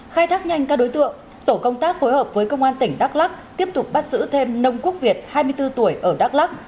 khai thác nhanh các đối tượng tổ công tác phối hợp với công an tỉnh đắk lắc tiếp tục bắt giữ thêm nông quốc việt hai mươi bốn tuổi ở đắk lắc